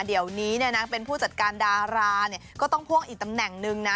เดี๋ยวนี้เป็นผู้จัดการดาราก็ต้องพ่วงอีกตำแหน่งนึงนะ